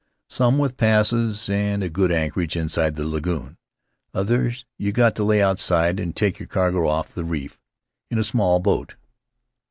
Some with passes and a good anchorage inside the lagoon. Others you got to lay outside an' take your cargo off the reef in a small boat."